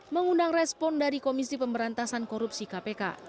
mengundang respon dari komisi pemberantasan korupsi kpk